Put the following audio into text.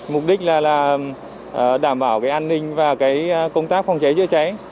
mục đích là đảm bảo an ninh và công tác phòng cháy chữa cháy